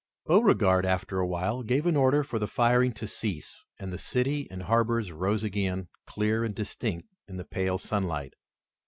Beauregard, after a while, gave an order for the firing to cease, and the city and harbor rose again, clear and distinct, in the pale sunlight.